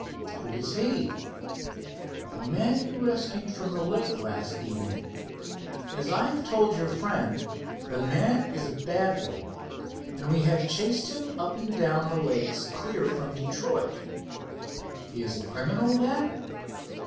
"Who is he?" "The man you rescued from the lake last evening. As I have told your friend, the man is a bad one, and we have chased him up and down the lakes clear from Detroit." "He is a criminal, then?"